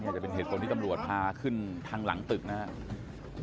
จะเป็นเหตุผลที่ตำรวจพาขึ้นทางหลังตึกนะครับ